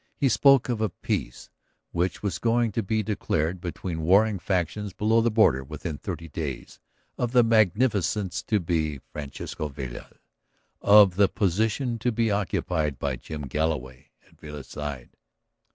He spoke of a peace which was going to be declared between warring factions below the border within thirty days, of the magnificence to be Francisco Villa's, of the position to be occupied by Jim Galloway at Villa's side.